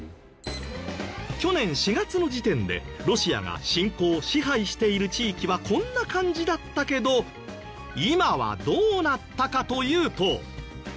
去年４月の時点でロシアが侵攻・支配している地域はこんな感じだったけど今はどうなったかというと。